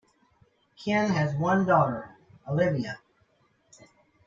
Ken has one daughter, Olivia.